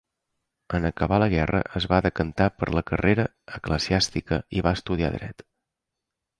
En acabar la guerra es va decantar per la carrera eclesiàstica i va estudiar dret.